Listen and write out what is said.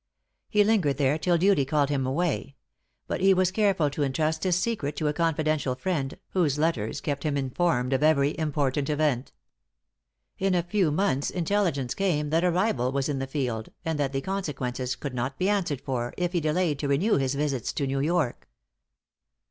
He lingered there till duty called him away; but he was careful to entrust his secret to a confidential friend, whose letters kept him informed of every important event. In a few months intelligence came that a rival was in the field, and that the consequences could not be answered for, if he delayed to renew his visits to New York."